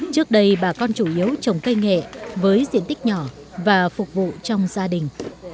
trước đây bà con chủ yếu trồng cây nghệ với diện tích nhỏ và phục vụ trong gia đình